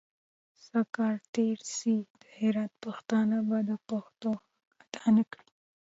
سل کاله تېر سي د هرات پښتانه به د پښتو حق اداء نکړي.